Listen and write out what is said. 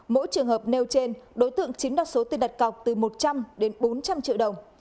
mỗi trường hợp nêu trên đối tượng chiếm đoạt số tiền đặt cọc từ một trăm linh đến bốn trăm linh triệu đồng